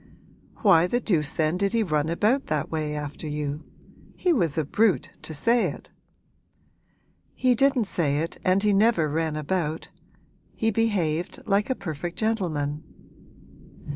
'Why the deuce then did he run about that way after you? He was a brute to say it!' 'He didn't say it and he never ran about. He behaved like a perfect gentleman.'